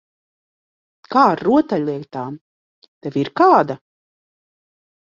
Kā ar rotaļlietām? Tev ir kāda?